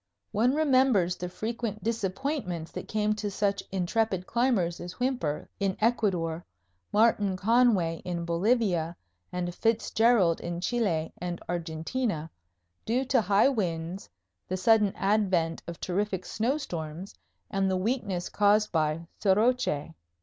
One remembers the frequent disappointments that came to such intrepid climbers as Whymper in Ecuador, Martin Conway in Bolivia and Fitzgerald in Chile and Argentina, due to high winds, the sudden advent of terrific snowstorms and the weakness caused by soroche.